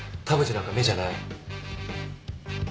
田淵なんか目じゃない。